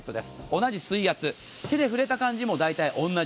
同じ水圧手で触れた感じも大体同じ。